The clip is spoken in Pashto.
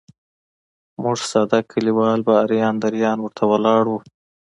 موږ ساده کلیوال به اریان دریان ورته ولاړ وو.